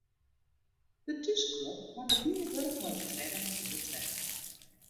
De thúsklup makke dien wurk mei de tredde en fjirde treffer.